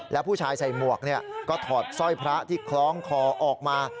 แล้วผู้ชายใส่หมวกก็ถอดสร้อยพระที่คล้องคอออกมา